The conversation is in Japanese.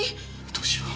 どうしよう。